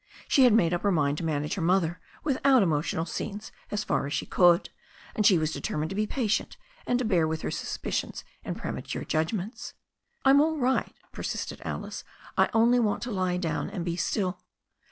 She had made up her mind to manage her mother without emotional scenes as far as she could, and she was determined to be patient and ta bear with her suspicions and premature judgments. "I'm all right," persisted Alice. "I only want to lie dowQ. and be still."